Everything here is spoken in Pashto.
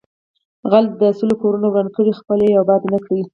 غل د سل کورونه وران کړي خپل یو آباد نکړي